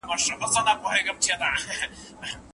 په فریاد سوه په نارو سوه په غوغا سوه